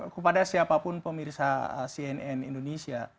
kepada siapapun pemirsa cnn indonesia